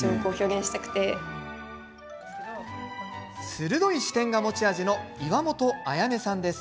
鋭い視点が持ち味の岩本菖さんです。